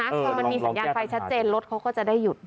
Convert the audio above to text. พอมันมีสัญญาณไฟชัดเจนรถเขาก็จะได้หยุด